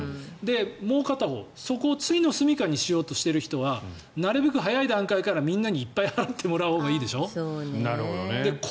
もう片方、そこをついの住み家にしようとしているほうはなるべく早い段階からみんなにいっぱい払ってもらうほうがいいでしょ。